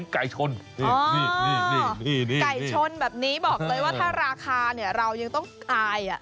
ไก่ชนนี่ไก่ชนแบบนี้บอกเลยว่าถ้าราคาเนี่ยเรายังต้องอาย